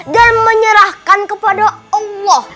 dan menyerahkan kepada allah